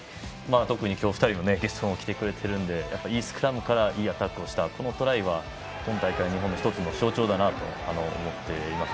特に今日、２人がゲストに来てくれているのでいいスクラムからいいアタックをしたこのトライは今大会の日本の１つの象徴だなと思っています。